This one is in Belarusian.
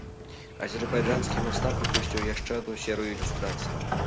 Азербайджанскі мастак выпусціў яшчэ адну серыю ілюстрацый.